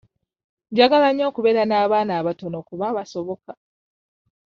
Njagala nnyo okubeera n'abaana abatono kuba basoboka.